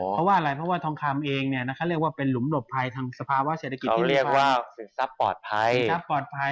เพราะว่าทองคำเองเป็นหลุมดบภัยทางสภาวะเศรษฐกิจที่ปลอดภัย